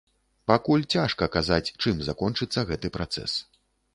Пакуль цяжка казаць, чым закончыцца гэты працэс.